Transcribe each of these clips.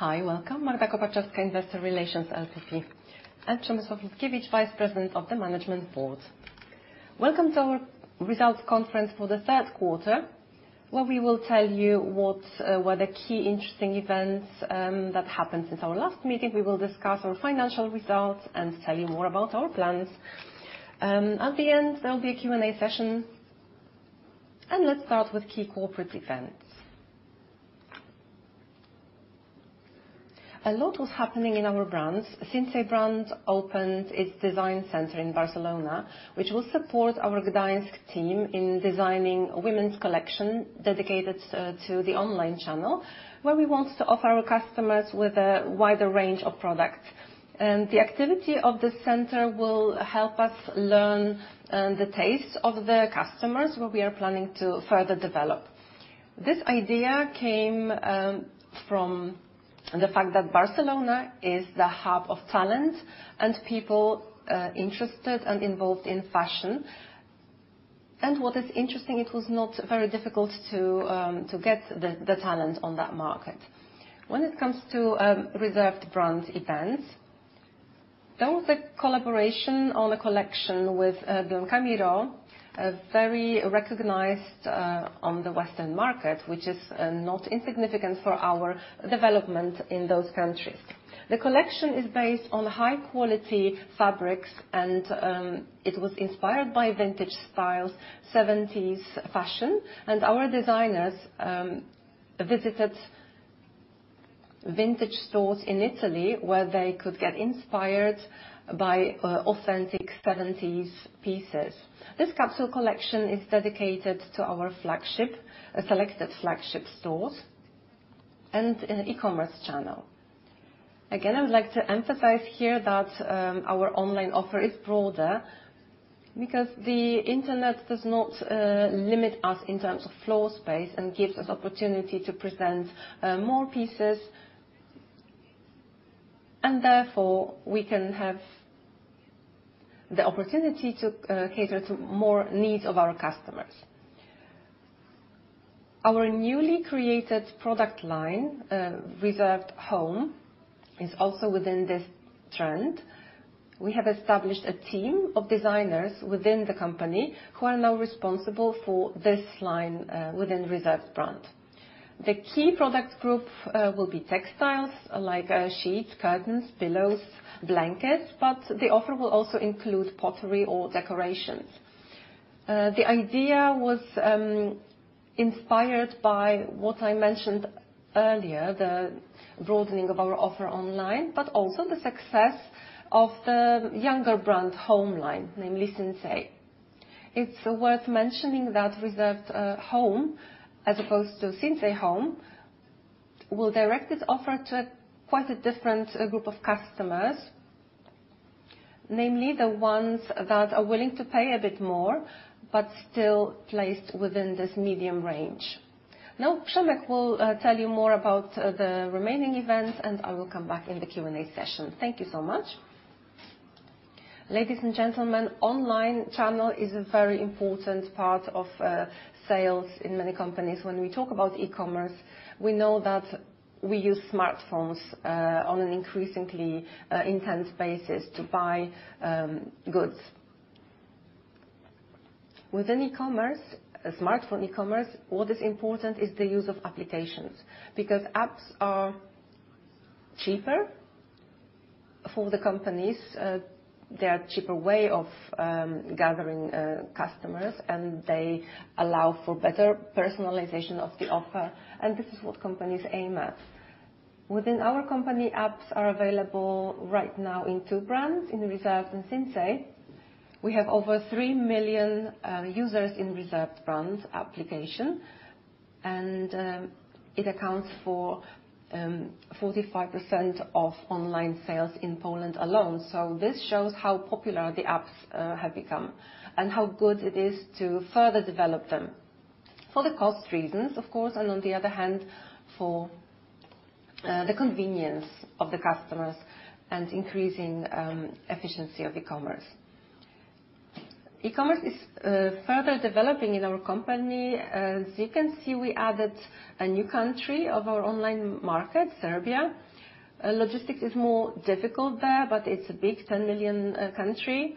Hi, welcome. Magdalena Kopaczewska, Investor Relations LPP. Przemysław Lutkiewicz, Vice President of the Management Board. Welcome to our results conference for the third quarter, where we will tell you what were the key interesting events that happened since our last meeting. We will discuss our financial results and tell you more about our plans. At the end, there will be a Q&A session. Let's start with key corporate events. A lot was happening in our brands. Sinsay brand opened its design center in Barcelona, which will support our Gdańsk team in designing women's collection dedicated to the online channel, where we want to offer our customers with a wider range of products. The activity of this center will help us learn the taste of the customers where we are planning to further develop. This idea came from the fact that Barcelona is the hub of talent and people interested and involved in fashion. What is interesting, it was not very difficult to get the talent on that market. When it comes to Reserved brand events, there was a collaboration on a collection with Dion Lee, a very recognized on the Western market, which is not insignificant for our development in those countries. The collection is based on high-quality fabrics and it was inspired by vintage styles, seventies fashion. Our designers visited vintage stores in Italy, where they could get inspired by authentic 70's pieces. This capsule collection is dedicated to our flagship, selected flagship stores and in e-commerce channel. Again, I would like to emphasize here that our online offer is broader because the Internet does not limit us in terms of floor space and gives us opportunity to present more pieces. Therefore, we can have the opportunity to cater to more needs of our customers. Our newly created product line, Reserved Home, is also within this trend. We have established a team of designers within the company who are now responsible for this line within Reserved brand. The key product group will be textiles, like sheets, curtains, pillows, blankets, but the offer will also include pottery or decorations. The idea was inspired by what I mentioned earlier, the broadening of our offer online, but also the success of the younger brand home line, namely Sinsay. It's worth mentioning that Reserved Home, as opposed to Sinsay Home, will direct its offer to quite a different group of customers. Namely, the ones that are willing to pay a bit more, but still placed within this medium range. Przemek will tell you more about the remaining events, and I will come back in the Q&A session. Thank you so much. Ladies and gentlemen, online channel is a very important part of sales in many companies. When we talk about e-commerce, we know that we use smartphones on an increasingly intense basis to buy goods. Within e-commerce, smartphone e-commerce, what is important is the use of applications because apps are cheaper for the companies. They are cheaper way of gathering customers, and they allow for better personalization of the offer. This is what companies aim at. Within our company, apps are available right now in two brands, in Reserved and Sinsay. We have over 3 million users in Reserved brand's application, and it accounts for 45% of online sales in Poland alone. This shows how popular the apps have become and how good it is to further develop them for the cost reasons, of course, and on the other hand, for the convenience of the customers and increasing efficiency of e-commerce. E-commerce is further developing in our company. As you can see, we added a new country of our online market, Serbia. Logistics is more difficult there, but it's a big 10 million country.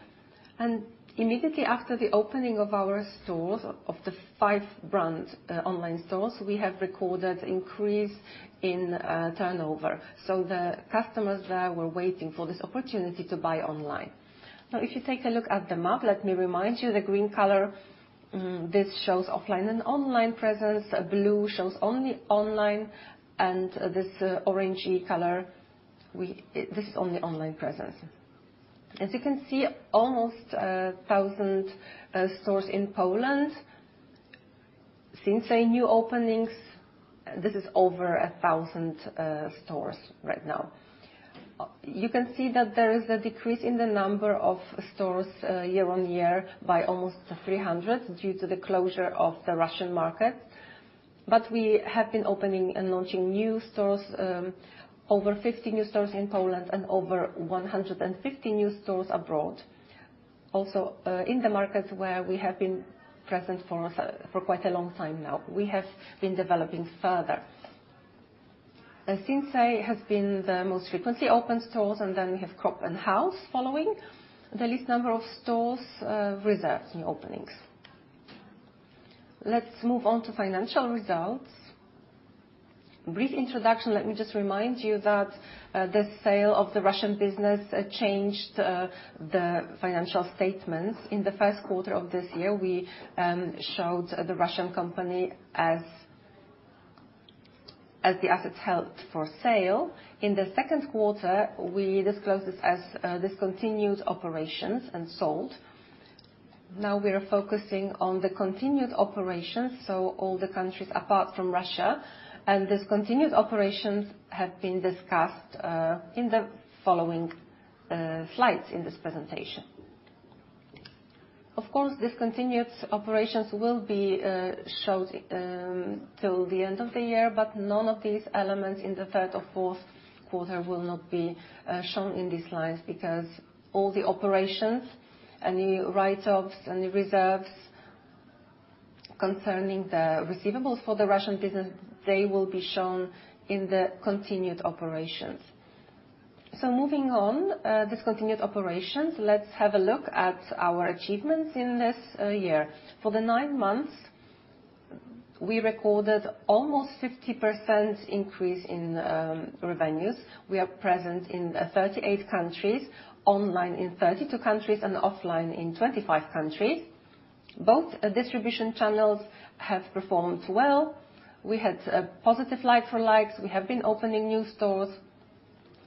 Immediately after the opening of our stores, of the five brand online stores, we have recorded increase in turnover. The customers there were waiting for this opportunity to buy online. If you take a look at the map, let me remind you the green color, this shows offline and online presence. Blue shows only online. This orangey color this is only online presence. As you can see, almost 1,000 stores in Poland. Sinsay new openings, this is over 1,000 stores right now. You can see that there is a decrease in the number of stores, year-on-year by almost 300 due to the closure of the Russian market. We have been opening and launching new stores, over 50 new stores in Poland and over 150 new stores abroad. Also, in the markets where we have been present for quite a long time now, we have been developing further. Sinsay has been the most frequently opened stores, and then we have Cropp and House following. The least number of stores, Reserved new openings. Let's move on to financial results. Brief introduction, let me just remind you that the sale of the Russian business changed the financial statements. In the first quarter of this year, we showed the Russian company as the assets held for sale. In the second quarter, we disclosed this as discontinued operations and sold. Now we are focusing on the continuing operations, so all the countries apart from Russia, and discontinued operations have been discussed in the following slides in this presentation. Of course, discontinued operations will be showed till the end of the year, but none of these elements in the third or fourth quarter will not be shown in these slides because all the operations, any write-offs, any reserves concerning the receivables for the Russian business, they will be shown in the continuing operations. Moving on, discontinued operations, let's have a look at our achievements in this year. For the nine months, we recorded almost 50% increase in revenues. We are present in 38 countries, online in 32 countries and offline in 25 countries. Both distribution channels have performed well. We had a positive like-for-likes. We have been opening new stores,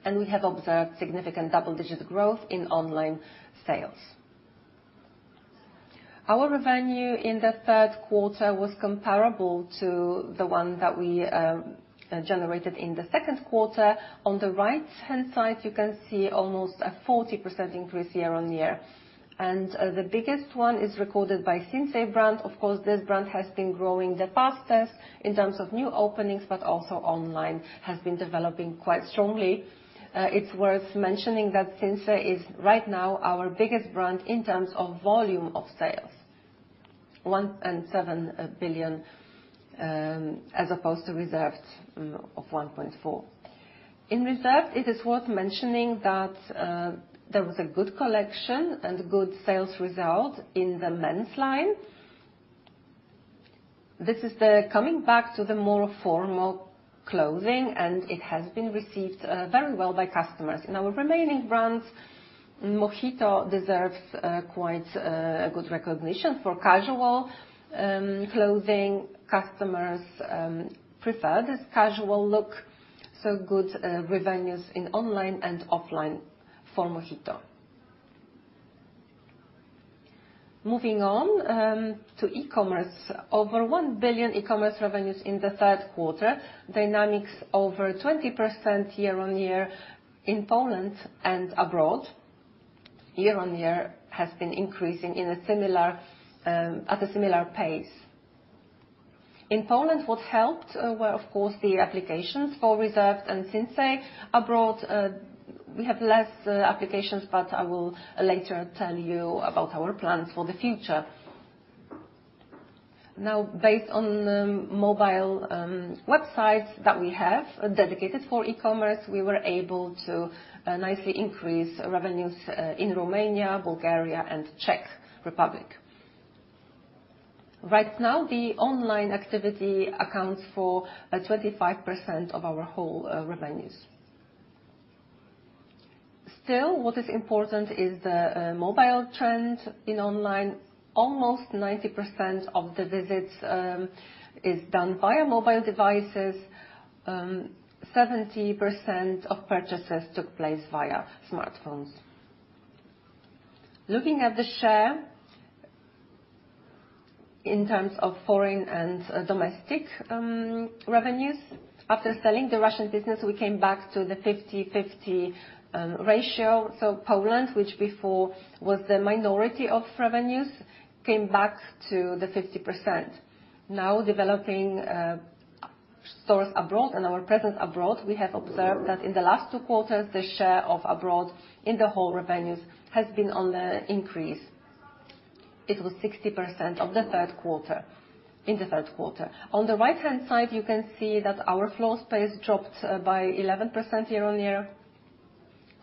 and we have observed significant double-digit growth in online sales. Our revenue in the third quarter was comparable to the one that we generated in the second quarter. On the right-hand side, you can see almost a 40% increase year-on-year. The biggest one is recorded by Sinsay brand. Of course, this brand has been growing the fastest in terms of new openings, but also online has been developing quite strongly. It's worth mentioning that Sinsay is right now our biggest brand in terms of volume of sales. 1.7 billion as opposed to Reserved, 1.4 billion. In Reserved, it is worth mentioning that there was a good collection and good sales result in the men's line. This is the coming back to the more formal clothing, and it has been received very well by customers. In our remaining brands, MOHITO deserves quite a good recognition for casual clothing. Customers prefer this casual look, good revenues in online and offline for MOHITO. Moving on to e-commerce. Over 1 billion e-commerce revenues in the third quarter. Dynamics over 20% year-on-year in Poland and abroad. Year-on-year has been increasing at a similar pace. In Poland, what helped were, of course, the applications for Reserved and Sinsay. Abroad, we have less applications, I will later tell you about our plans for the future. Now, based on the mobile websites that we have dedicated for e-commerce, we were able to nicely increase revenues in Romania, Bulgaria and Czech Republic. Right now, the online activity accounts for 25% of our whole revenues. What is important is the mobile trend in online. Almost 90% of the visits is done via mobile devices. 70% of purchases took place via smartphones. Looking at the share in terms of foreign and domestic revenues. After selling the Russian business, we came back to the 50/50 ratio. Poland, which before was the minority of revenues, came back to 50%. Developing stores abroad and our presence abroad, we have observed that in the last two quarters, the share of abroad in the whole revenues has been on the increase. It was 60% of the third quarter, in the third quarter. On the right-hand side, you can see that our floor space dropped by 11% year-on-year.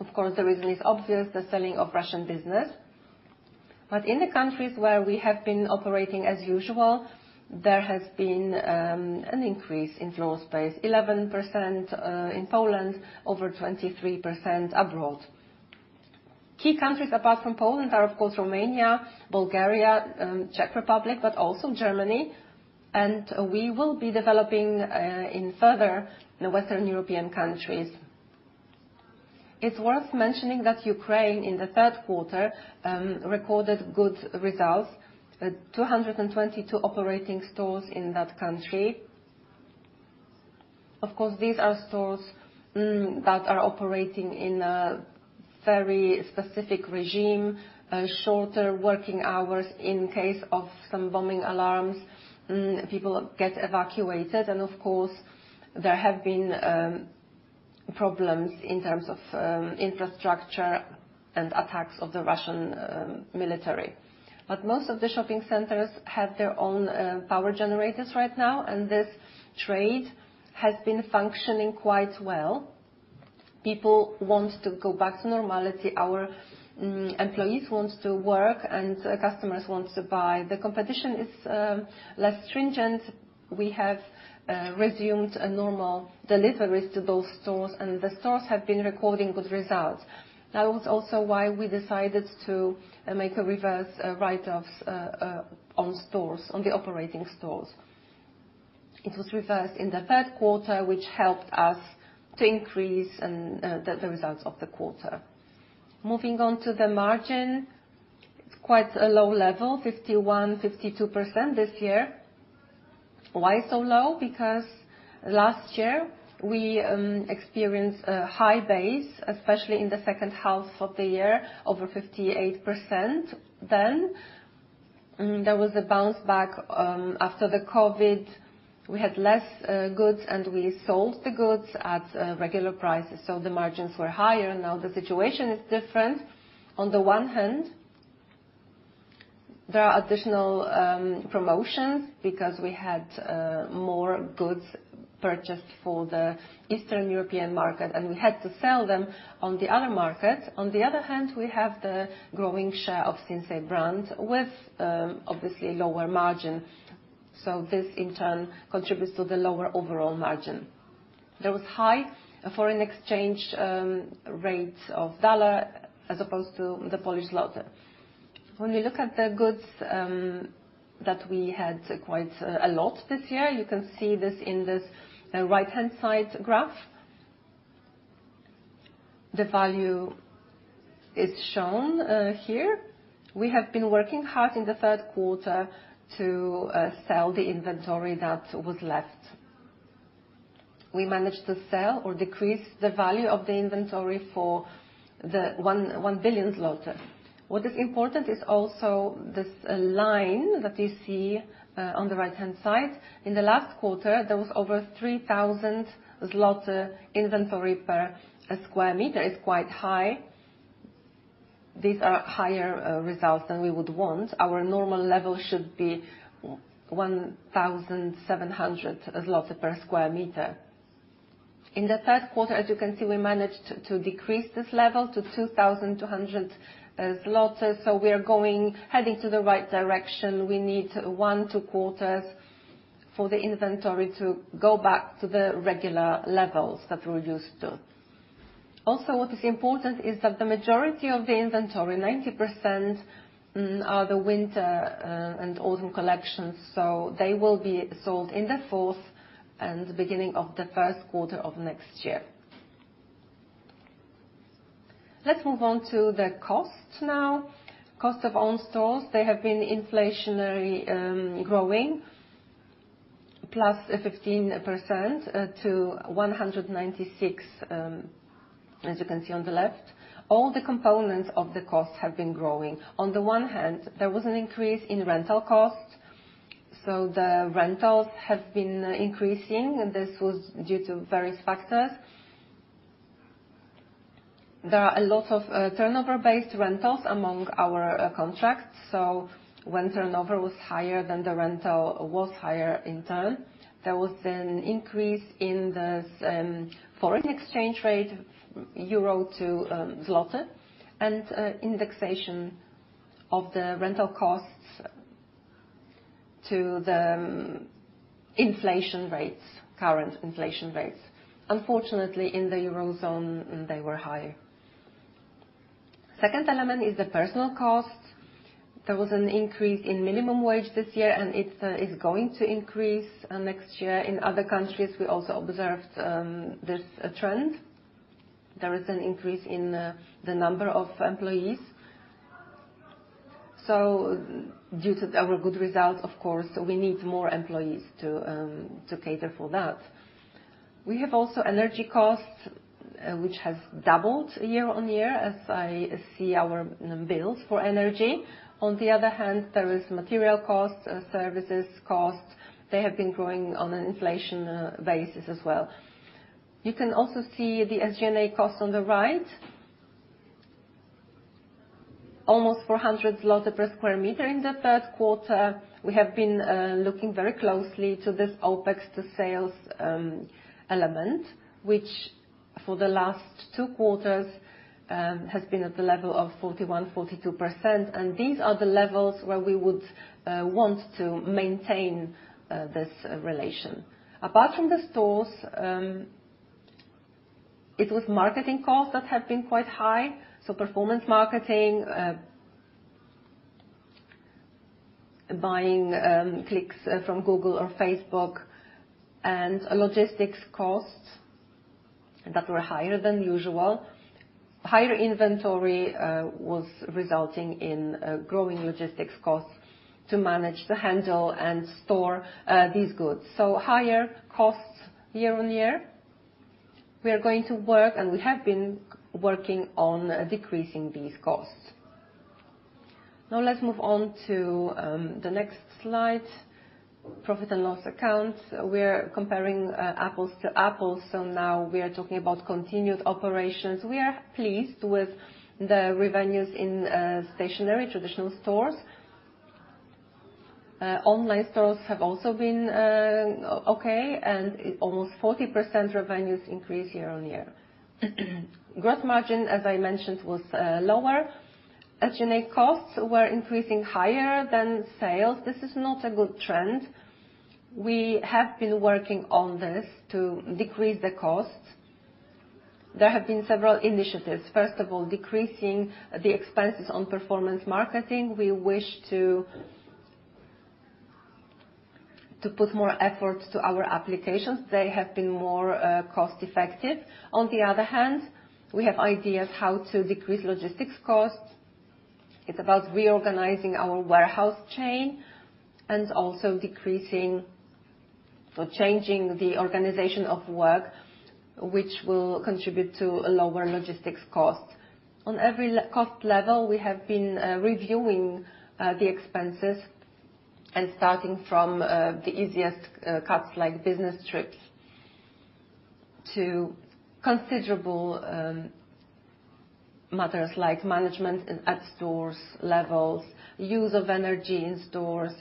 Of course, the reason is obvious, the selling of Russian business. In the countries where we have been operating as usual, there has been an increase in floor space. 11% in Poland, over 23% abroad. Key countries apart from Poland are, of course, Romania, Bulgaria, Czech Republic, but also Germany. We will be developing in further the Western European countries. It's worth mentioning that Ukraine, in the third quarter, recorded good results. 222 operating stores in that country. These are stores that are operating in a very specific regime, shorter working hours in case of some bombing alarms. People get evacuated. Of course, there have been problems in terms of infrastructure and attacks of the Russian military. Most of the shopping centers have their own power generators right now, and this trade has been functioning quite well. People want to go back to normality. Our employees want to work and customers want to buy. The competition is less stringent. We have resumed normal deliveries to those stores and the stores have been recording good results. That was also why we decided to make a reverse write-offs on stores, on the operating stores. It was reversed in the third quarter, which helped us to increase the results of the quarter. Moving on to the margin. It's quite a low level, 51%-52% this year. Why so low? Last year we experienced a high base, especially in the second half of the year, over 58% then. There was a bounce back after the COVID. We had less goods and we sold the goods at regular prices, so the margins were higher. Now the situation is different. On the one hand, there are additional promotions because we had more goods purchased for the Eastern European market, we had to sell them on the other market. On the other hand, we have the growing share of Sinsay brand with obviously lower margin. This in turn contributes to the lower overall margin. There was high foreign exchange rates of dollar as opposed to the Polish zloty. When we look at the goods that we had quite a lot this year, you can see this in this right-hand side graph. The value is shown here. We have been working hard in the third quarter to sell the inventory that was left. We managed to sell or decrease the value of the inventory for the 1 billion. What is important is also this line that you see on the right-hand side. In the last quarter, there was over 3,000 zlotys inventory per square meter. It's quite high. These are higher results than we would want. Our normal level should be 1,700 zloty per square meter. In the third quarter, as you can see, we managed to decrease this level to 2,200 zlotys. We are heading to the right direction. We need 1, 2 quarters for the inventory to go back to the regular levels that we're used to. Also, what is important is that the majority of the inventory, 90%, are the winter and autumn collections, so they will be sold in the fourth and beginning of the first quarter of next year. Let's move on to the cost now. Cost of own stores, they have been inflationary, growing +15%, to 196, as you can see on the left. All the components of the cost have been growing. On the one hand, there was an increase in rental costs. The rentals have been increasing, and this was due to various factors. There are a lot of turnover-based rentals among our contracts. When turnover was higher, then the rental was higher in turn. There was an increase in the foreign exchange rate, EUR to PLN, and indexation of the rental costs to the inflation rates, current inflation rates. Unfortunately, in the Eurozone they were higher. Second element is the personal cost. There was an increase in minimum wage this year, and it is going to increase next year. In other countries, we also observed this trend. There is an increase in the number of employees. Due to our good results, of course, we need more employees to cater for that. We have also energy costs, which has doubled year-over-year as I see our bills for energy. On the other hand, there is material costs, services costs. They have been growing on an inflation basis as well. You can also see the SG&A costs on the right. Almost 400 zlotys per square meter in the third quarter. We have been looking very closely to this OpEx to sales element, which for the last 2 quarters has been at the level of 41%-42%. These are the levels where we would want to maintain this relation. Apart from the stores, it was marketing costs that have been quite high. Performance marketing, buying clicks from Google or Facebook and logistics costs that were higher than usual. Higher inventory was resulting in growing logistics costs to manage, to handle and store these goods. Higher costs year-on-year. We are going to work, and we have been working on decreasing these costs. Let's move on to the next slide. Profit and loss account. We're comparing apples to apples, now we are talking about continuing operations. We are pleased with the revenues in stationary traditional stores. Online stores have also been okay and almost 40% revenues increase year-on-year. Gross margin, as I mentioned, was lower. SG&A costs were increasing higher than sales. This is not a good trend. We have been working on this to decrease the costs. There have been several initiatives. First of all, decreasing the expenses on performance marketing. We wish to put more efforts to our applications. They have been more cost effective. On the other hand, we have ideas how to decrease logistics costs. It's about reorganizing our warehouse chain and also decreasing or changing the organization of work, which will contribute to a lower logistics cost. On every cost level, we have been reviewing the expenses and starting from the easiest cuts, like business trips to considerable matters like management at stores levels, use of energy in stores.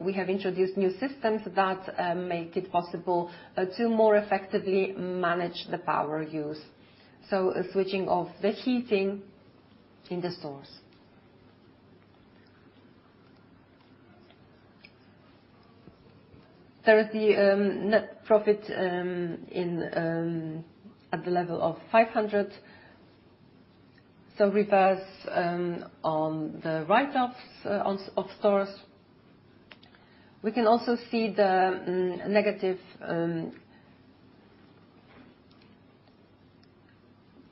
We have introduced new systems that make it possible to more effectively manage the power use. Switching off the heating in the stores. There is the net profit in at the level of 500. Reverse on the writeoffs of stores. We can also see the negative.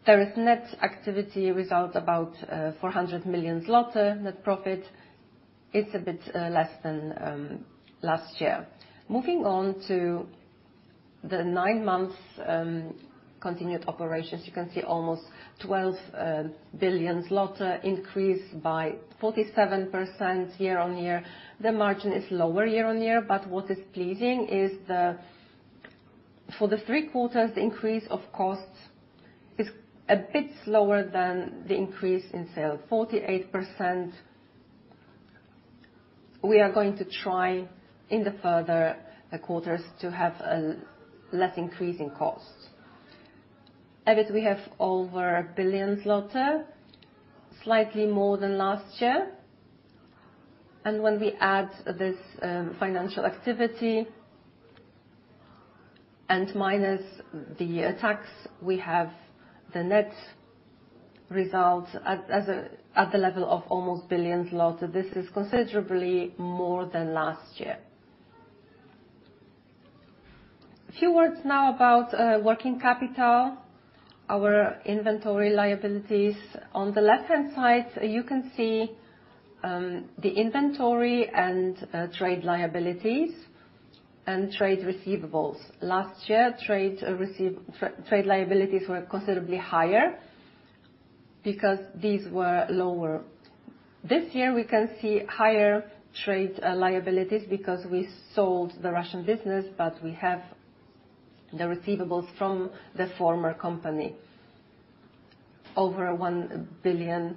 There is net activity result about 400 million zloty. Net profit is a bit less than last year. Moving on to the nine-month continuing operations. You can see almost 12 billion increase by 47% year-on-year. The margin is lower year-on-year, but what is pleasing is the, for the three quarters, the increase of costs is a bit lower than the increase in sales, 48%. We are going to try in the further quarters to have a less increase in costs. EBIT, we have over 1 billion, slightly more than last year. When we add this financial activity and minus the tax, we have the net results at the level of almost 1 billion. This is considerably more than last year. Few words now about working capital, our inventory liabilities. On the left-hand side, you can see the inventory and trade liabilities and trade receivables. Last year, trade liabilities were considerably higher because these were lower. This year we can see higher trade liabilities because we sold the Russian business, but we have the receivables from the former company, over 1 billion,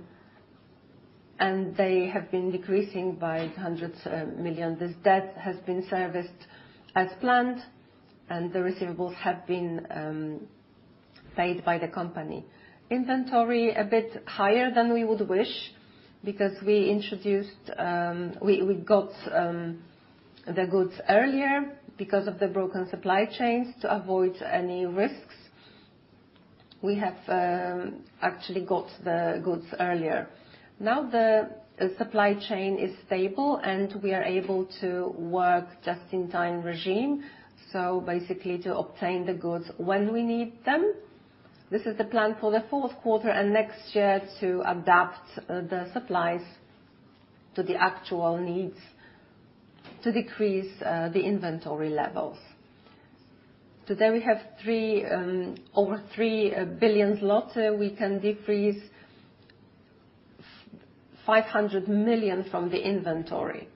and they have been decreasing by PLN hundreds million. This debt has been serviced as planned, and the receivables have been paid by the company. Inventory a bit higher than we would wish because we introduced, we got the goods earlier because of the broken supply chains. To avoid any risks, we have actually got the goods earlier. Now the supply chain is stable, and we are able to work just-in-time regime, so basically to obtain the goods when we need them. This is the plan for the fourth quarter and next year to adapt the supplies to the actual needs to decrease the inventory levels. Today, we have over 3 billion. We can decrease 500 million from the inventory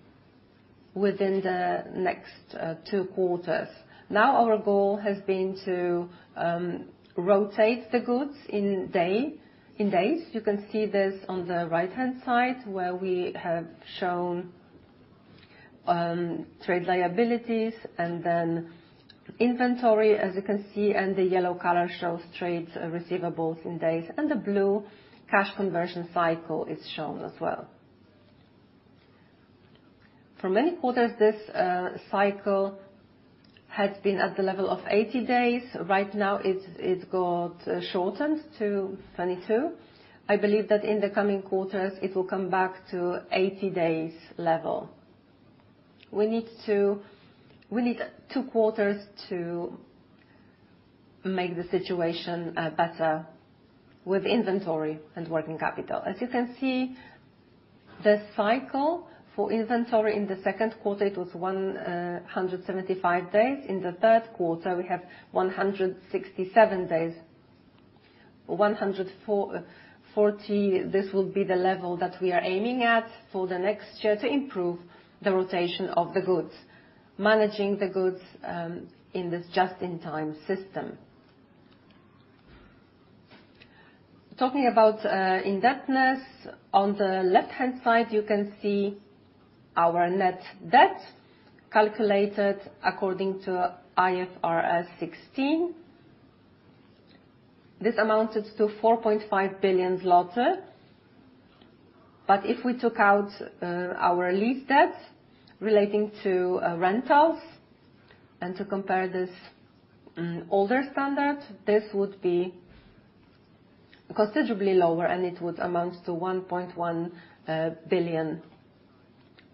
within the next two quarters. Now our goal has been to rotate the goods in days. You can see this on the right-hand side, where we have shown trade liabilities and then inventory, as you can see. The yellow color shows trades, receivables in days, and the blue cash conversion cycle is shown as well. For many quarters, this cycle has been at the level of 80 days. Right now it got shortened to 22. I believe that in the coming quarters, it will come back to 80 days level. We need 2 quarters to make the situation better with inventory and working capital. As you can see, the cycle for inventory in the second quarter, it was 175 days. In the third quarter, we have 167 days. This will be the level that we are aiming at for the next year to improve the rotation of the goods. Managing the goods in this just-in-time system. Talking about indebtedness. On the left-hand side, you can see our net debt calculated according to IFRS 16. This amounted to 4.5 billion zloty. If we took out our lease debt relating to rentals, and to compare this older standard, this would be considerably lower, and it would amount to 1.1 billion.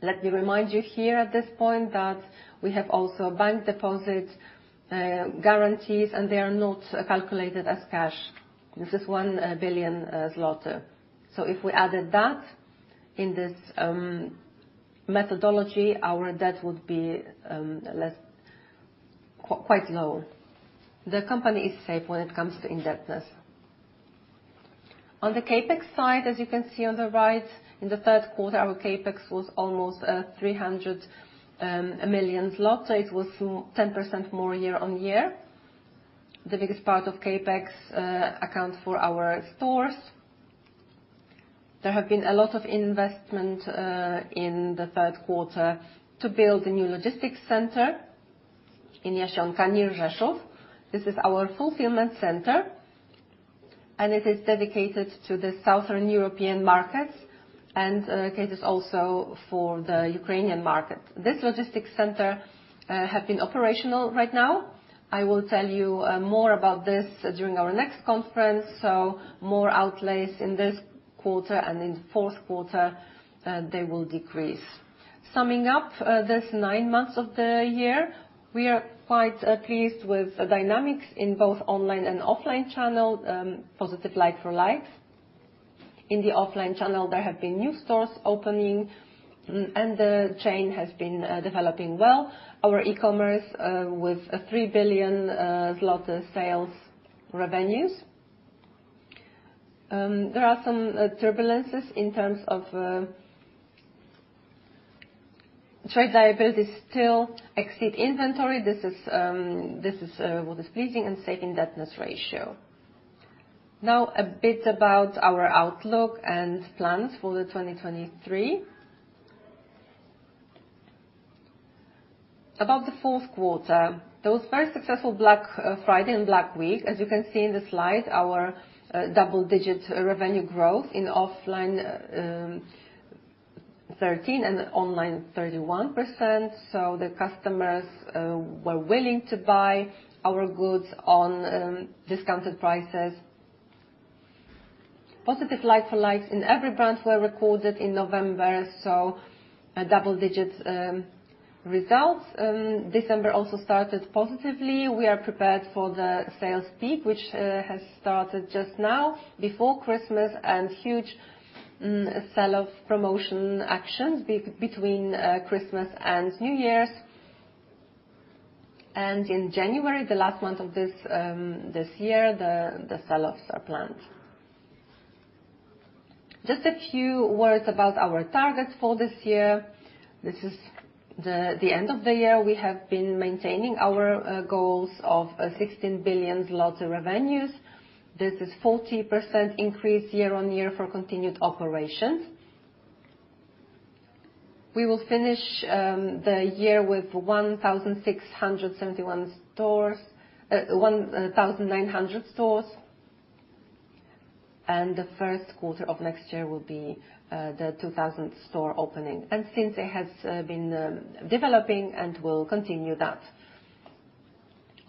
Let me remind you here at this point that we have also bank deposit guarantees, and they are not calculated as cash. This is 1 billion zloty. If we added that in this methodology, our debt would be quite low. The company is safe when it comes to indebtedness. On the CapEx side, as you can see on the right, in the third quarter, our CapEx was almost 300 million. It was 10% more year-on-year. The biggest part of CapEx accounts for our stores. There have been a lot of investment in the third quarter to build a new logistics center in Jasionka near Rzeszów. This is our fulfillment center, and it is dedicated to the Southern European markets, and it is also for the Ukrainian market. This logistics center have been operational right now. I will tell you more about this during our next conference. More outlays in this quarter and in fourth quarter, they will decrease. Summing up, this nine months of the year, we are quite pleased with dynamics in both online and offline channel, positive like-for-likes. In the offline channel, there have been new stores opening and the chain has been developing well. Our e-commerce, with a 3 billion zloty sales revenues. There are some turbulences in terms of trade payables still exceed inventory. This is what is pleasing and safe in debt net ratio. A bit about our outlook and plans for the 2023. About the fourth quarter. There was very successful Black Friday and Black Week. As you can see in the slide, our double-digit revenue growth in offline 13% and online 31%, the customers were willing to buy our goods on discounted prices. Positive like-for-likes in every brand were recorded in November, a double-digit results. December also started positively. We are prepared for the sales peak, which has started just now before Christmas and huge sell-off promotion actions between Christmas and New Year's. In January, the last month of this year, the selloffs are planned. Just a few words about our targets for this year. This is the end of the year. We have been maintaining our goals of 16 billion revenues. This is 40% increase year-on-year for continuing operations. We will finish the year with 1,671 stores, 1,900 stores. The first quarter of next year will be the 2,000th store opening. Sinsay has been developing and will continue that.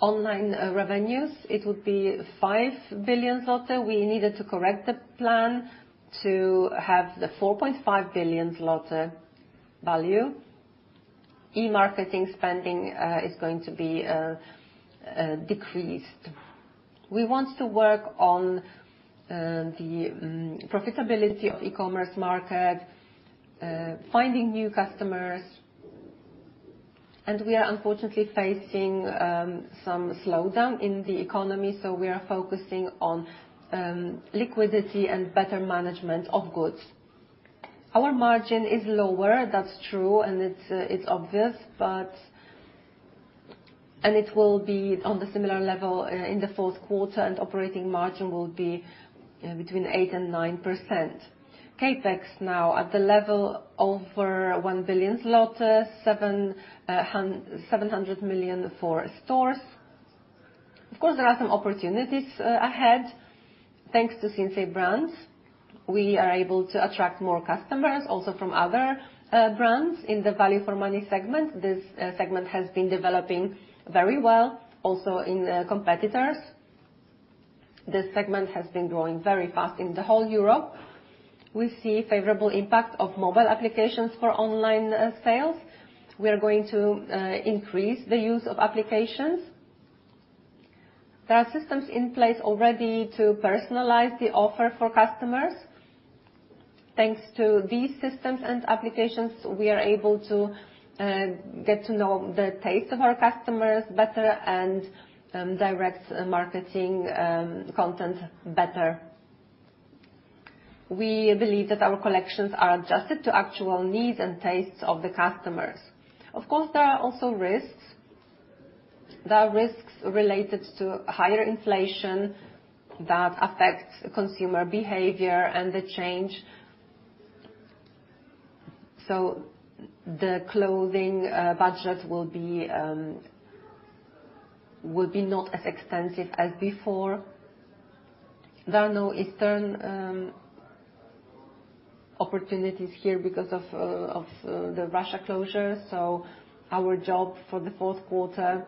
Online revenues, it would be 5 billion zloty. We needed to correct the plan to have the 4.5 billion zloty value. E-marketing spending is going to be decreased. We want to work on the profitability of e-commerce market, finding new customers. We are unfortunately facing some slowdown in the economy, we are focusing on liquidity and better management of goods. Our margin is lower. That's true, and it's obvious. It will be on the similar level in the fourth quarter, and operating margin will be between 8% and 9%. CapEx now at the level of 1 billion zlotys, 700 million for stores. Of course, there are some opportunities ahead. Thanks to Sinsay brands, we are able to attract more customers also from other brands in the value for money segment. This segment has been developing very well. Also in competitors. This segment has been growing very fast in the whole Europe. We see favorable impact of mobile applications for online sales. We are going to increase the use of applications. There are systems in place already to personalize the offer for customers. Thanks to these systems and applications, we are able to get to know the taste of our customers better and direct marketing content better. We believe that our collections are adjusted to actual needs and tastes of the customers. Of course, there are also risks. There are risks related to higher inflation that affects consumer behavior and the change. The clothing budget will be not as extensive as before. There are no Eastern opportunities here because of the Russia closure, our job for the fourth quarter...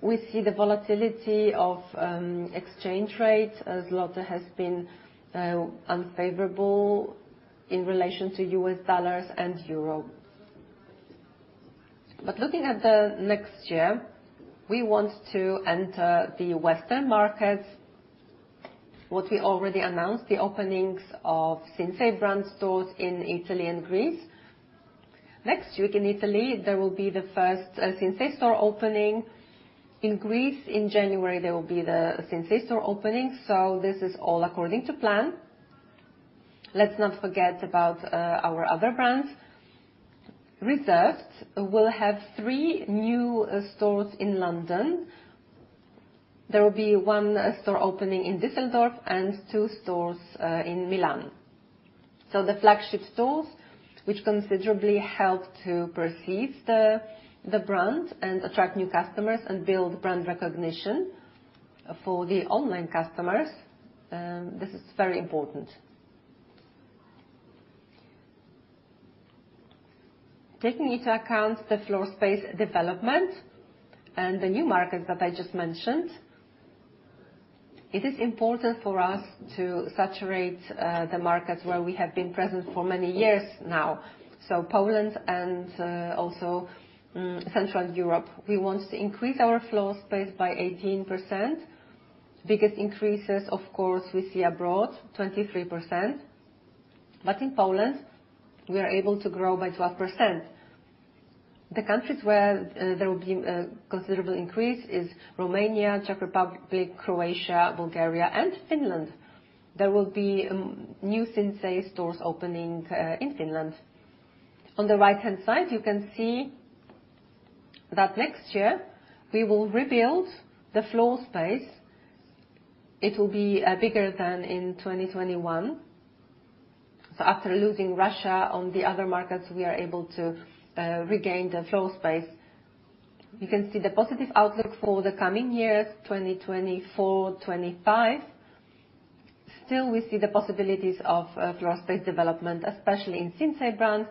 We see the volatility of exchange rates as zloty has been unfavorable in relation to US dollars and euro. Looking at the next year, we want to enter the Western markets. What we already announced, the openings of Sinsay brand stores in Italy and Greece. Next week in Italy, there will be the first Sinsay store opening. In Greece in January, there will be the Sinsay store opening. This is all according to plan. Let's not forget about our other brands. Reserved will have three new stores in London. There will be one store opening in Düsseldorf and two stores in Milan. The flagship stores, which considerably help to perceive the brand and attract new customers and build brand recognition. For the online customers, this is very important. Taking into account the floor space development and the new markets that I just mentioned, it is important for us to saturate the markets where we have been present for many years now, so Poland and also Central Europe. We want to increase our floor space by 18%. Biggest increases, of course, we see abroad, 23%. In Poland, we are able to grow by 12%. The countries where there will be a considerable increase is Romania, Czech Republic, Croatia, Bulgaria, and Finland. There will be new Sinsay stores opening in Finland. On the right-hand side, you can see that next year we will rebuild the floor space. It will be bigger than in 2021. After losing Russia, on the other markets, we are able to regain the floor space. You can see the positive outlook for the coming years, 2024, 2025. Still, we see the possibilities of floor space development, especially in Sinsay brand,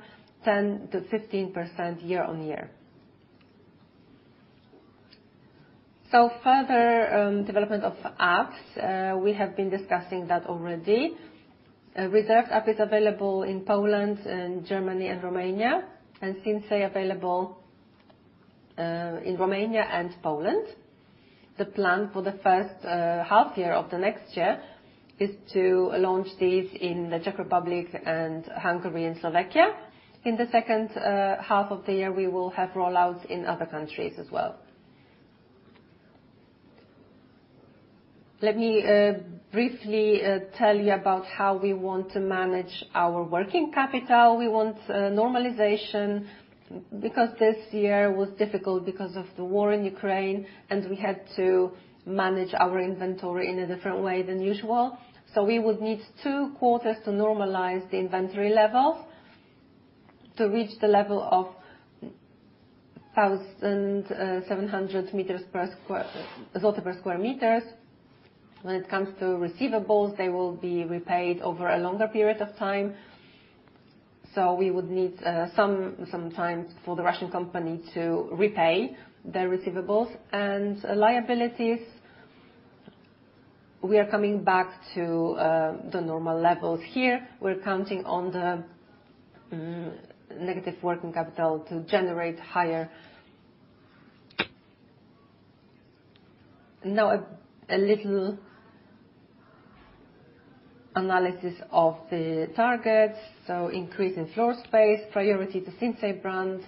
10%-15% year on year. Further development of apps, we have been discussing that already. Reserved app is available in Poland and Germany and Romania, and Sinsay available in Romania and Poland. The plan for the first half year of the next year is to launch these in the Czech Republic and Hungary and Slovakia. In the second half of the year, we will have rollouts in other countries as well. Let me briefly tell you about how we want to manage our working capital. We want normalization because this year was difficult because of the war in Ukraine, and we had to manage our inventory in a different way than usual. We would need 2 quarters to normalize the inventory levels to reach the level of 1,700 per square meters. When it comes to receivables, they will be repaid over a longer period of time, so we would need some time for the Russian company to repay their receivables. Liabilities, we are coming back to the normal levels here. We're counting on the negative working capital to generate higher. Now a little analysis of the targets. Increase in floor space, priority to Sinsay brand,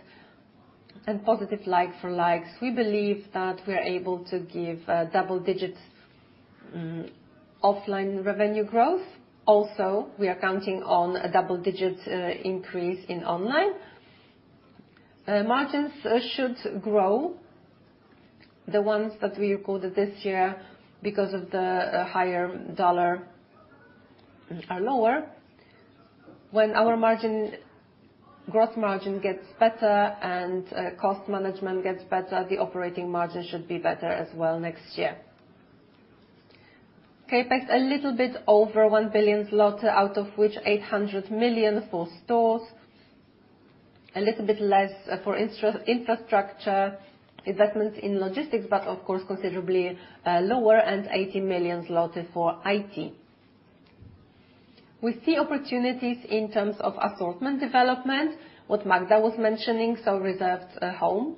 and positive like-for-likes. We believe that we are able to give double-digits offline revenue growth. We are counting on a double-digit increase in online. Margins should grow. The ones that we recorded this year because of the higher USD are lower. When our margin, gross margin gets better and cost management gets better, the operating margin should be better as well next year. CapEx a little bit over 1 billion zloty, out of which 800 million for stores, a little bit less for infrastructure, investments in logistics, but of course, considerably lower, and 80 million zlotys for IT. We see opportunities in terms of assortment development, what Magda was mentioning, so Reserved Home.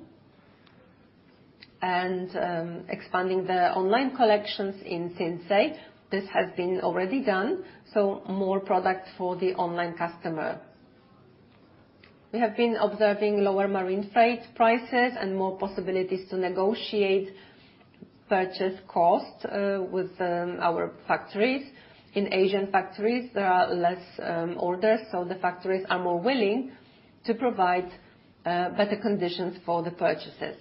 Expanding the online collections in Sinsay. This has been already done, so more products for the online customer. We have been observing lower marine freight prices and more possibilities to negotiate purchase costs with our factories. In Asian factories, there are less orders, so the factories are more willing to provide better conditions for the purchases.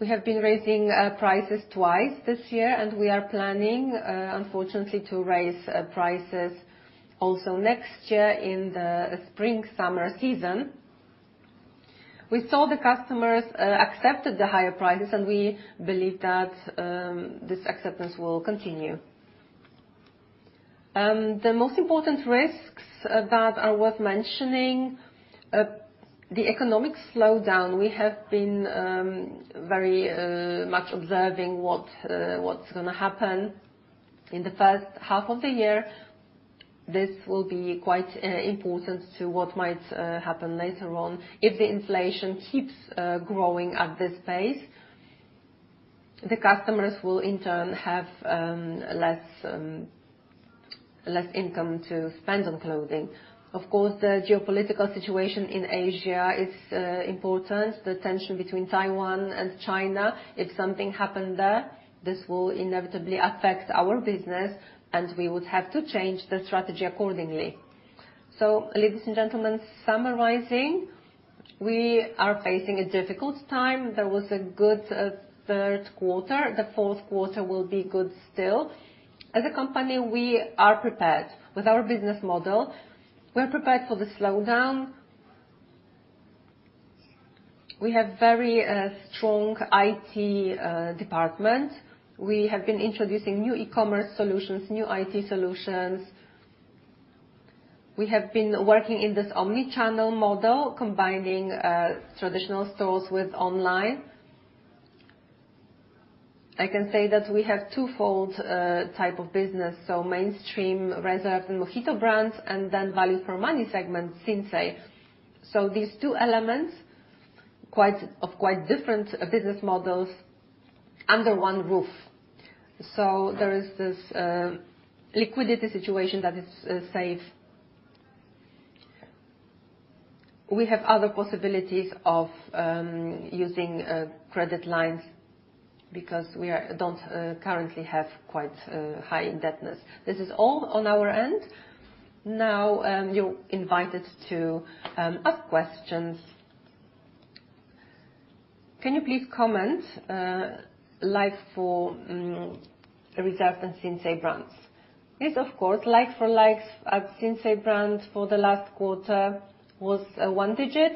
We have been raising prices twice this year, and we are planning, unfortunately, to raise prices also next year in the spring/summer season. We saw the customers accepted the higher prices, and we believe that this acceptance will continue. The most important risks that are worth mentioning, the economic slowdown. We have been very much observing what's gonna happen in the first half of the year. This will be quite important to what might happen later on. If the inflation keeps growing at this pace, the customers will in turn have less income to spend on clothing. Of course, the geopolitical situation in Asia is important. The tension between Taiwan and China. If something happened there, this will inevitably affect our business, and we would have to change the strategy accordingly. Ladies and gentlemen, summarizing, we are facing a difficult time. There was a good third quarter. The fourth quarter will be good still. As a company, we are prepared with our business model. We're prepared for the slowdown. We have very strong IT department. We have been introducing new e-commerce solutions, new IT solutions. We have been working in this omni-channel model, combining traditional stores with online. I can say that we have twofold type of business, so mainstream Reserved and MOHITO brands, and then value-for-money segment, Sinsay. These two elements of quite different business models under one roof. There is this liquidity situation that is safe. We have other possibilities of using credit lines because we don't currently have quite high indebtedness. This is all on our end. You're invited to ask questions. Can you please comment, like for Reserved and Sinsay brands? Of course. Like-for-likes at Sinsay brand for the last quarter was 1 digit.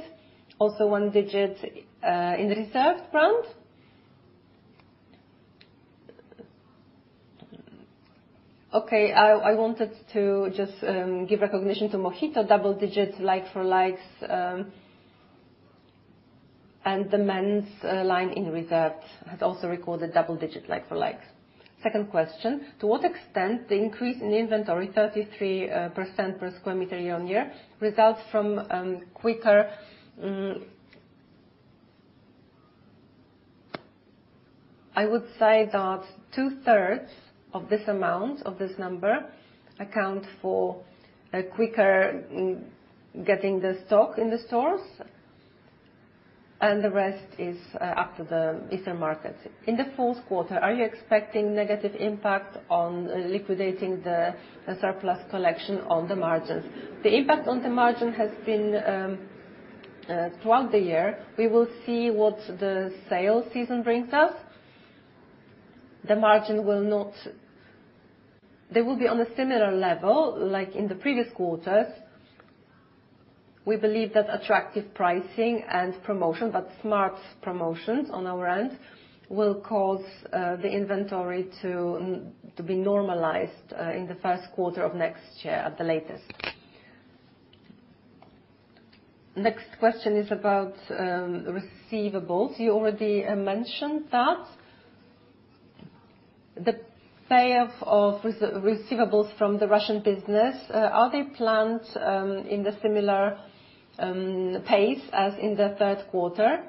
Also 1 digit in Reserved brand. Okay. I wanted to just give recognition to MOHITO double digits like-for-likes, and the men's line in Reserved had also recorded double digit like-for-likes. Second question: To what extent the increase in inventory, 33% per square meter year-on-year, results from quicker...I would say that two-thirds of this amount, of this number, account for a quicker getting the stock in the stores, and the rest is up to the other markets. In the fourth quarter, are you expecting negative impact on liquidating the surplus collection on the margins? The impact on the margin has been throughout the year. We will see what the sales season brings us. They will be on a similar level like in the previous quarters. We believe that attractive pricing and promotion, but smart promotions on our end, will cause the inventory to be normalized in the first quarter of next year at the latest. Next question is about receivables. You already mentioned that. The pay of receivables from the Russian business, are they planned in the similar pace as in the third quarter?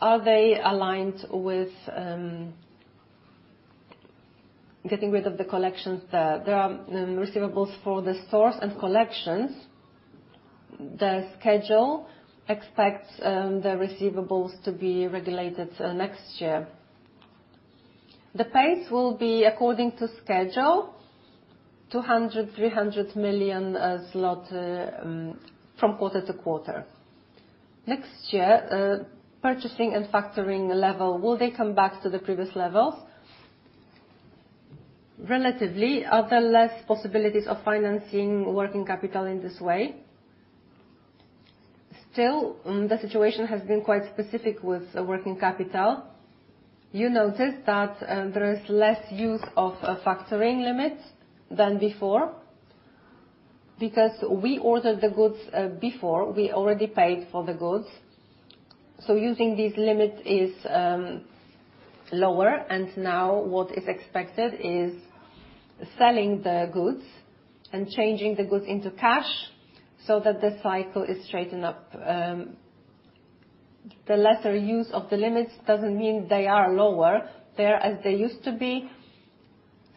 Are they aligned with getting rid of the collections? There are receivables for the stores and collections. The schedule expects the receivables to be regulated next year. The pace will be according to schedule, 200 million-300 million zlotys from quarter-to-quarter. Next year, purchasing and factoring level, will they come back to the previous levels? Relatively. Are there less possibilities of financing working capital in this way? The situation has been quite specific with working capital. You noticed that there is less use of factoring limits than before. Because we ordered the goods before, we already paid for the goods. Using this limit is lower, and now what is expected is selling the goods and changing the goods into cash so that the cycle is straightened up. The lesser use of the limits doesn't mean they are lower. They are as they used to be.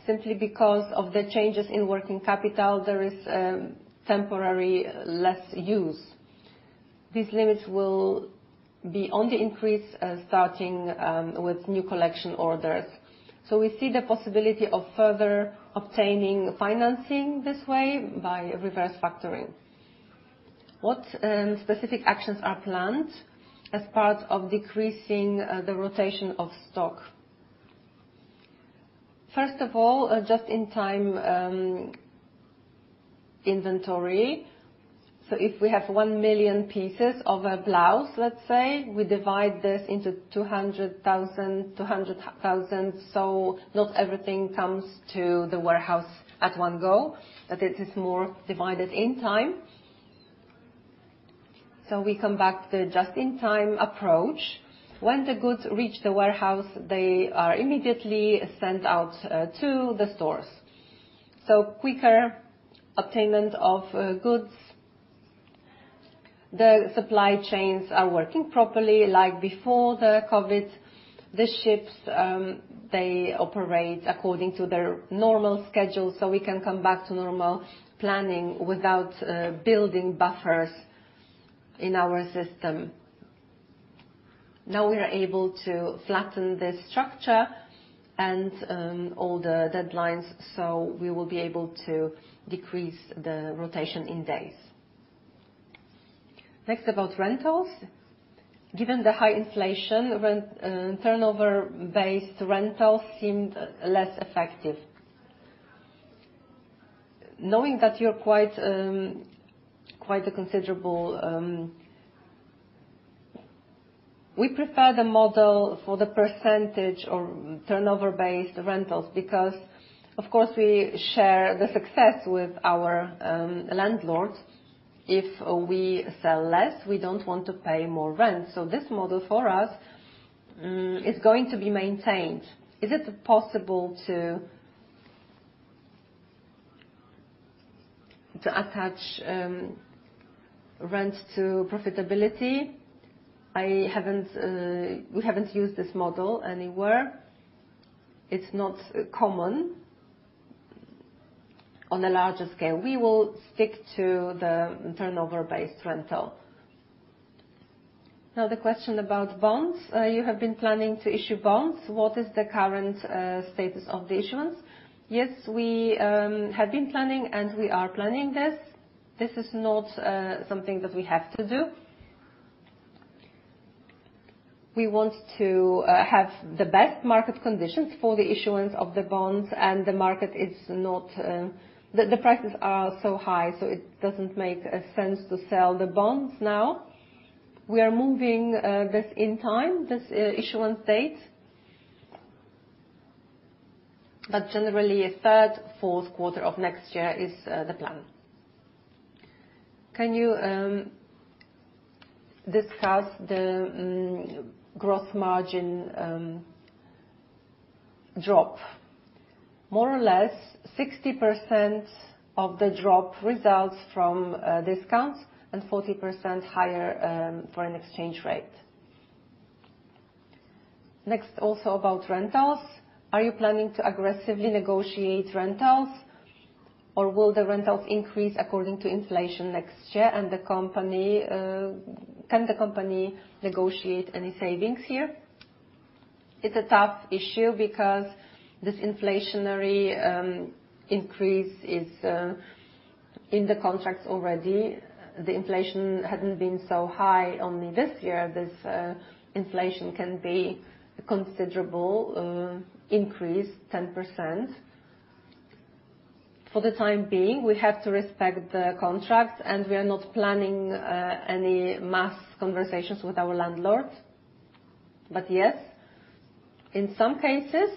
Because of the changes in working capital, there is temporary less use. These limits will be on the increase, starting with new collection orders. We see the possibility of further obtaining financing this way by reverse factoring. What specific actions are planned as part of decreasing the rotation of stock? First of all, just-in-time inventory. If we have 1 million pieces of a blouse, let's say, we divide this into 200,000. Not everything comes to the warehouse at one go, but it is more divided in time. We come back to the just-in-time approach. When the goods reach the warehouse, they are immediately sent out to the stores. Quicker obtainment of goods. The supply chains are working properly like before the COVID. The ships, they operate according to their normal schedule. We can come back to normal planning without building buffers in our system. Now we are able to flatten the structure and all the deadlines. We will be able to decrease the rotation in days. About rentals. Given the high inflation rent, turnover-based rentals seemed less effective. Knowing that you're quite a considerable. We prefer the model for the percentage or turnover-based rentals. Of course, we share the success with our landlords. If we sell less, we don't want to pay more rent. This model for us is going to be maintained. Is it possible to attach rent to profitability? We haven't used this model anywhere. It's not common on a larger scale. We will stick to the turnover-based rental. Now, the question about bonds. You have been planning to issue bonds. What is the current status of the issuance? Yes, we have been planning, and we are planning this. This is not something that we have to do. We want to have the best market conditions for the issuance of the bonds. The market is not the prices are so high, so it doesn't make sense to sell the bonds now. We are moving this in time, this issuance date. Generally, third, fourth quarter of next year is the plan. Can you discuss the gross margin drop? More or less 60% of the drop results from discounts and 40% higher foreign exchange rate. Next, also about rentals. Are you planning to aggressively negotiate rentals, or will the rentals increase according to inflation next year? Can the company negotiate any savings here? It's a tough issue because this inflationary increase is in the contracts already. The inflation hadn't been so high. Only this year, this inflation can be a considerable increase, 10%. For the time being, we have to respect the contracts, and we are not planning any mass conversations with our landlords. Yes, in some cases,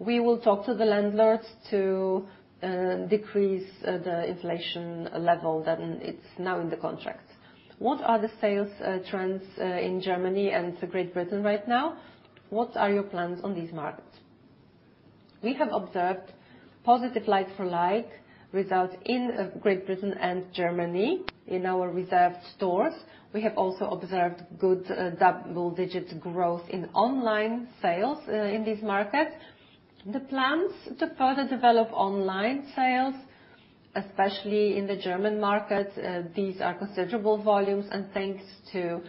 we will talk to the landlords to decrease the inflation level than it's now in the contracts. What are the sales trends in Germany and Great Britain right now? What are your plans on these markets? We have observed positive like-for-like results in Great Britain and Germany in our Reserved stores. We have also observed good, double-digit growth in online sales in these markets. The plans to further develop online sales, especially in the German market, these are considerable volumes, and thanks to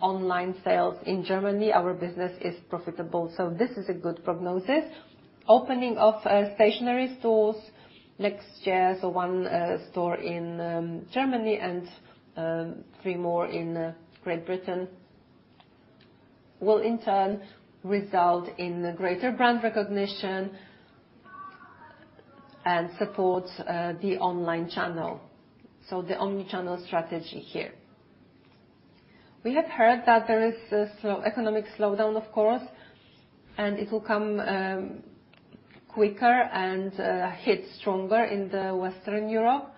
online sales in Germany, our business is profitable, so this is a good prognosis. Opening of stationary stores next year. 1 store in Germany and 3 more in Great Britain will in turn result in greater brand recognition and support the online channel. The omni-channel strategy here. We have heard that there is a economic slowdown, of course, and it will come quicker and hit stronger in the Western Europe.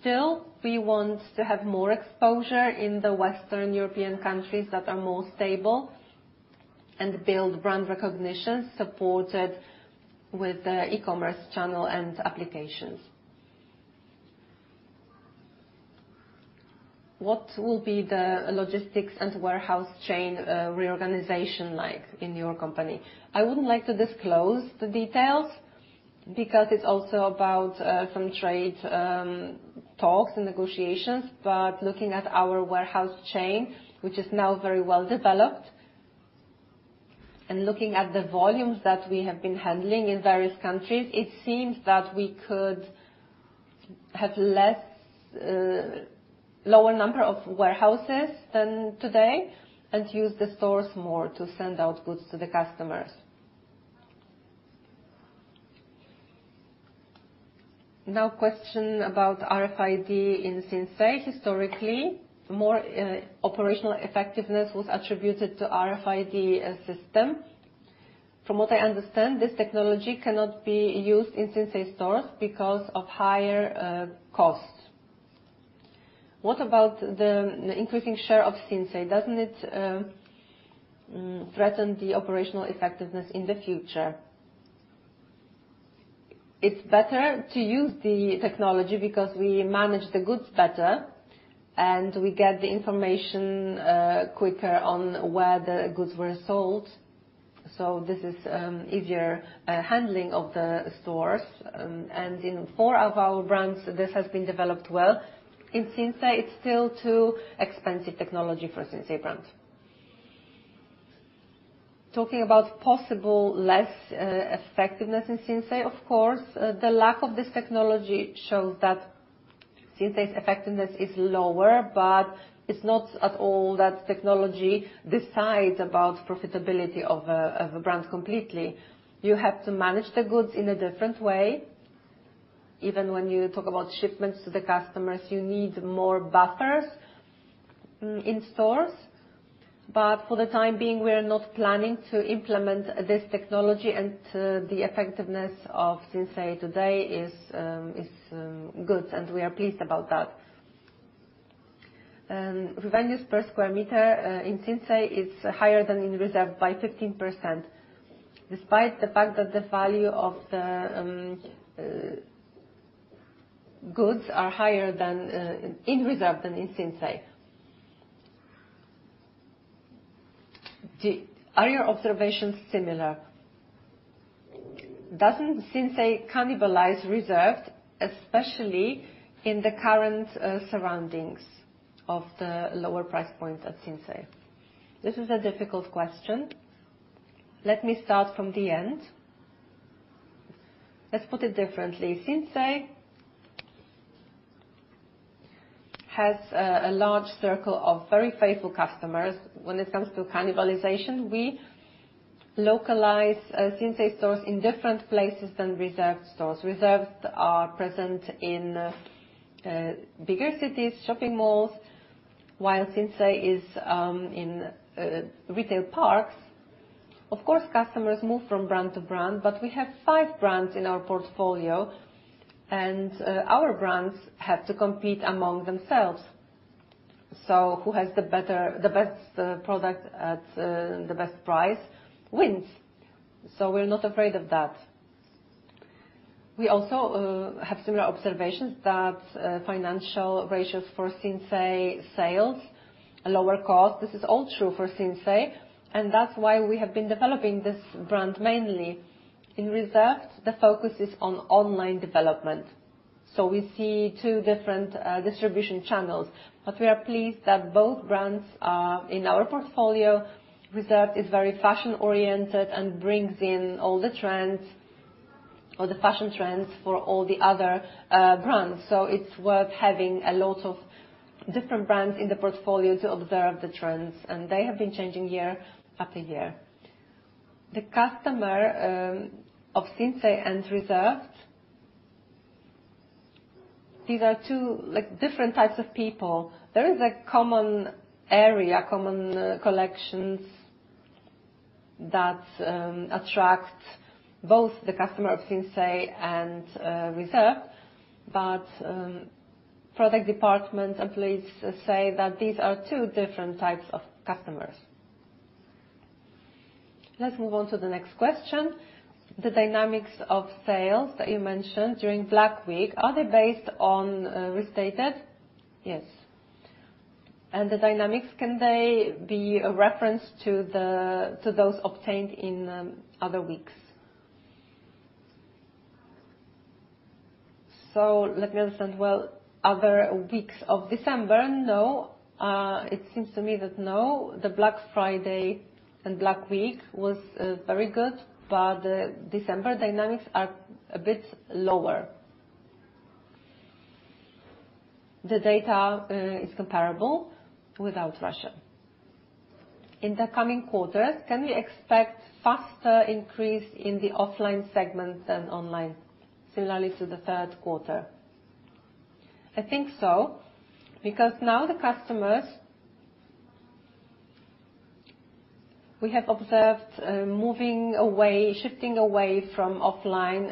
Still, we want to have more exposure in the Western European countries that are more stable and build brand recognition supported with the e-commerce channel and applications. What will be the logistics and warehouse chain reorganization like in your company? I wouldn't like to disclose the details because it's also about some trade talks and negotiations. Looking at our warehouse chain, which is now very well-developed, and looking at the volumes that we have been handling in various countries, it seems that we could have less, lower number of warehouses than today, and use the stores more to send out goods to the customers. Now question about RFID in Sinsay. Historically, more operational effectiveness was attributed to RFID system. From what I understand, this technology cannot be used in Sinsay stores because of higher cost. What about the increasing share of Sinsay? Doesn't it threaten the operational effectiveness in the future? It's better to use the technology because we manage the goods better, and we get the information quicker on where the goods were sold. This is easier handling of the stores. In four of our brands, this has been developed well. In Sinsay, it's still too expensive technology for Sinsay brand. Talking about possible less effectiveness in Sinsay, of course, the lack of this technology shows that Sinsay's effectiveness is lower, but it's not at all that technology decides about profitability of a, of a brand completely. You have to manage the goods in a different way. Even when you talk about shipments to the customers, you need more buffers in stores. For the time being, we are not planning to implement this technology, and, the effectiveness of Sinsay today is good, and we are pleased about that. Revenues per square meter in Sinsay, it's higher than in Reserved by 13%, despite the fact that the value of the goods are higher than in Reserved than in Sinsay. Are your observations similar? Doesn't Sinsay cannibalize Reserved, especially in the current surroundings of the lower price point at Sinsay? This is a difficult question. Let me start from the end. Let's put it differently. Sinsay has a large circle of very faithful customers. When it comes to cannibalization, we localize Sinsay stores in different places than Reserved stores. Reserved are present in bigger cities, shopping malls, while Sinsay is in retail parks. Of course, customers move from brand to brand, but we have five brands in our portfolio, and our brands have to compete among themselves. Who has the best product at the best price wins. We're not afraid of that. We also have similar observations that financial ratios for Sinsay sales, a lower cost. This is all true for Sinsay, and that's why we have been developing this brand mainly. In Reserved, the focus is on online development. We see two different distribution channels, but we are pleased that both brands are in our portfolio. Reserved is very fashion-oriented and brings in all the trends, or the fashion trends for all the other brands. It's worth having a lot of different brands in the portfolio to observe the trends, and they have been changing year after year. The customer of Sinsay and Reserved, these are two, like, different types of people. There is a common area, common collections that attract both the customer of Sinsay and Reserved. Product department employees say that these are two different types of customers. Let's move on to the next question. The dynamics of sales that you mentioned during Black Week, are they based on restated? Yes. The dynamics, can they be a reference to those obtained in other weeks? Let me understand. Well, other weeks of December? No. It seems to me that no, the Black Friday and Black Week was very good, December dynamics are a bit lower. The data is comparable without Russia. In the coming quarter, can we expect faster increase in the offline segment than online, similarly to the third quarter? I think so. Now the customers, we have observed, moving away, shifting away from offline.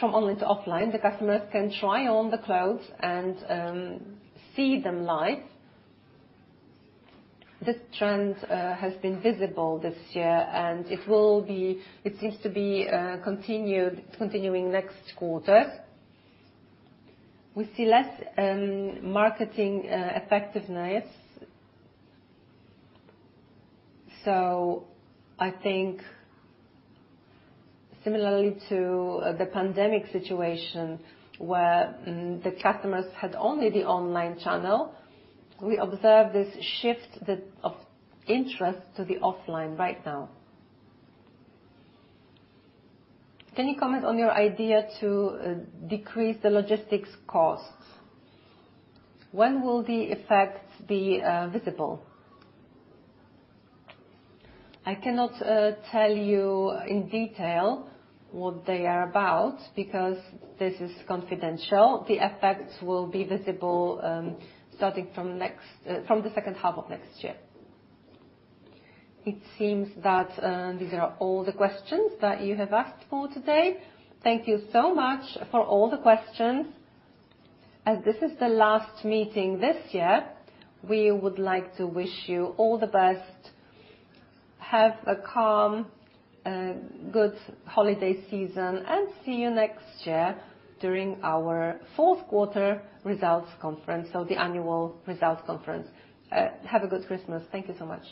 From online to offline. The customers can try on the clothes and see them like. This trend has been visible this year. It seems to be continuing next quarter. We see less marketing effectiveness. I think similarly to the pandemic situation, where the customers had only the online channel, we observe this shift of interest to the offline right now. Can you comment on your idea to decrease the logistics costs? When will the effects be visible? I cannot tell you in detail what they are about because this is confidential. The effects will be visible starting from the second half of next year. It seems that these are all the questions that you have asked for today. Thank you so much for all the questions. As this is the last meeting this year, we would like to wish you all the best. Have a calm, a good holiday season, and see you next year during our fourth quarter results conference, so the annual results conference. Have a good Christmas. Thank you so much.